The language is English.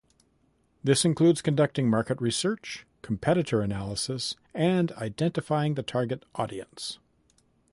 This includes conducting market research, competitor analysis, and identifying the target audience.